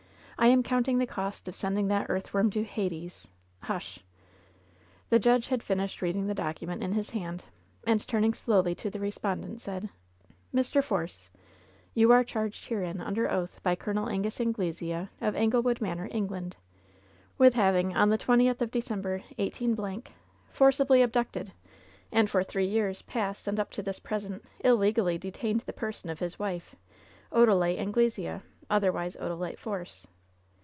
I am coimting the cost of sending that earthworm to Hades Hush!" The judge had finished reading the document in his hand, and turning slowly to the respondent, said : "Mr. Force, you are charged herein, under oath, by Col. Angus Anglesea, of Anglewood Manor, England, with having, on the twentieth of December, 18 — y forcibly abducted, and for three years past and up to this present, illegally detained the person of his wife, Odalite Anglesea — otherwise Odalite Force.